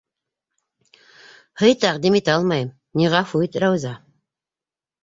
Һый тәҡдим итә алмайым, ни... ғәфү ит, Рауза.